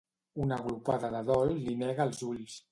Una glopada de dol li nega els ulls.